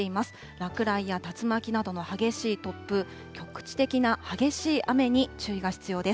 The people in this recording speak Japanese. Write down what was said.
落雷や竜巻などの激しい突風、局地的な激しい雨に注意が必要です。